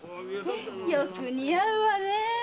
よく似合うわねえ！